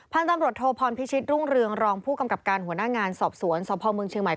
ตำรวจโทพรพิชิตรุ่งเรืองรองผู้กำกับการหัวหน้างานสอบสวนสพเมืองเชียงใหม่